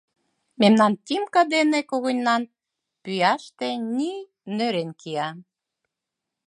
— Мемнан Тимка дене когыньнан пӱяште ний нӧрен кия.